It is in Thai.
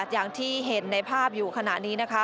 อย่างที่เห็นในภาพอยู่ขณะนี้นะคะ